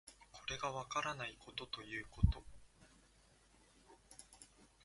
これがわからないことということ